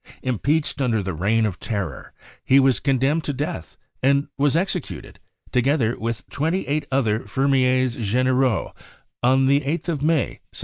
Im peached under the Reign of Terror, he was condemned to death, and was executed, together with twenty eight other fermiers generaux, on the 8th of May, 1794.